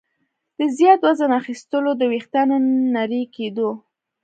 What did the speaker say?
د زیات وزن اخیستلو، د ویښتانو نري کېدو